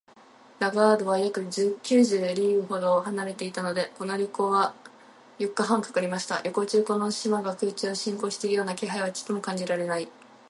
ラガードは約九十リーグほど離れていたので、この旅行には四日半かかりました。旅行中、この島が空中を進行しているような気配はちょっとも感じられない